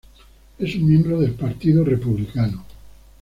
Es un miembro del Partido Republicano.